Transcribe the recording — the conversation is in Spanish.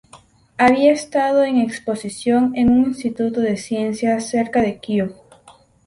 Había estado en exposición en un instituto de ciencias cerca de Kiev.